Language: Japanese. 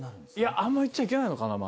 あんま言っちゃいけないのかな？